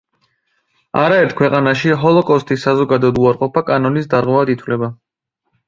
არაერთ ქვეყანაში ჰოლოკოსტის საზოგადოდ უარყოფა კანონის დარღვევად ითვლება.